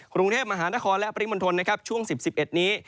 กรุงเทพมหานครและปริมณฑลนะครับช่วง๑๐๑๑นี้